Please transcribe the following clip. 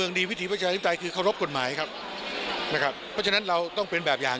ก่อนที่ยกร่างขึ้นมา